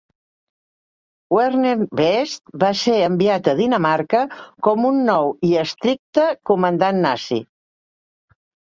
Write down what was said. Werner Best va ser enviat a Dinamarca com un nou i estricte comandant nazi.